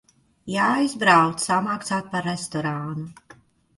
Jāaizbrauc samaksāt par restorānu.